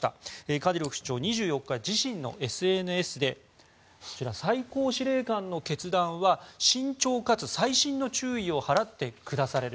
カディロフ首長、２４日自身のＳＮＳで最高司令官の決断は慎重かつ細心の注意を払って下される。